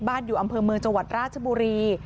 อยู่อำเภอเมืองจังหวัดราชบุรี